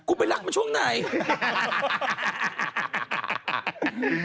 กูไม่รักมาช่วงไหน